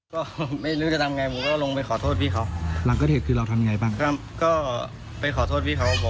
คือเรารีบกลับมาเนี่ยครับ